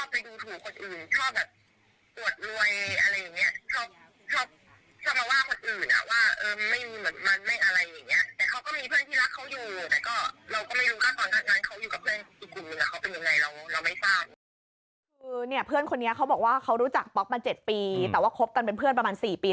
พี่นี่เขารู้จักป๊อปประมาณ๗ปีแต่ว่าพี่แล้วเข้าคบกันเป็นเพื่อนประมาณ๔ปี